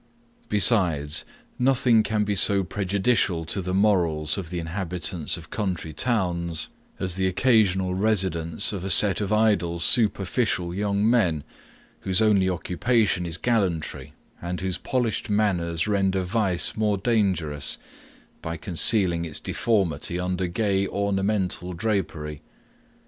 Besides, nothing can be so prejudicial to the morals of the inhabitants of country towns, as the occasional residence of a set of idle superficial young men, whose only occupation is gallantry, and whose polished manners render vice more dangerous, by concealing its deformity under gay ornamental drapery.